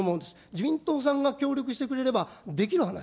自民党さんが協力してくれればできる話。